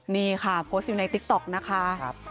นี่ค่ะโพสต์อยู่ในติ๊กต๊อกนะคะ